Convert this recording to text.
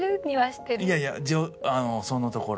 いやいやそのところ。